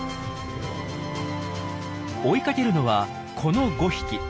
追いかけるのはこの５匹。